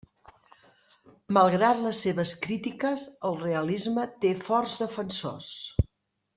Malgrat les seves crítiques, el realisme té forts defensors.